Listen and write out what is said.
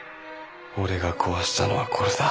俺が壊したのはこれだ。